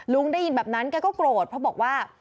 ได้ยินแบบนั้นแกก็โกรธเพราะบอกว่า